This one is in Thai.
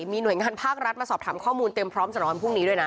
มีหน่วยงานภาครัฐมาสอบถามข้อมูลเตรียมพร้อมสำหรับวันพรุ่งนี้ด้วยนะ